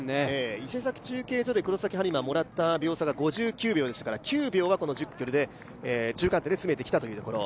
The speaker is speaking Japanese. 伊勢崎中継所で黒崎播磨がもらった秒差が５９秒でしたから、９秒はこの１０ｋｍで中間点で詰めたということ。